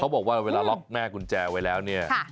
บอกว่าเวลาล็อกแม่กุญแจไว้แล้วเนี่ย